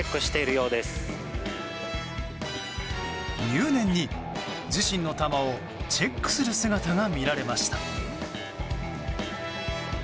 入念に自身の球をチェックする姿が見られました。